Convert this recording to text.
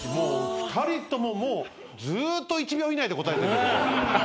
２人とももうずっと１秒以内で答えてる。